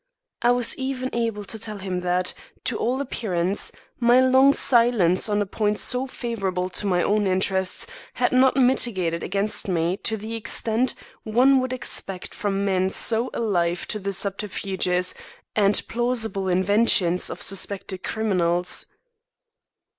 I was even able to tell him that, to all appearance, my long silence on a point so favourable to my own interests had not militated against me to the extent one would expect from men so alive to the subterfuges and plausible inventions of suspected criminals.